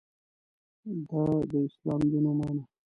د ه داسلام دین ومانه.